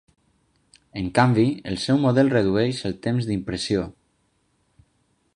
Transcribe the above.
En canvi, el seu model redueix el temps d’impressió.